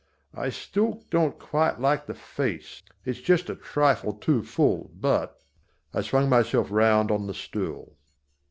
I still don't quite like the face, it's just a trifle too full, but " I swung myself round on the stool.